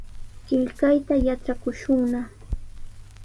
Qillqayta yatrakushunna.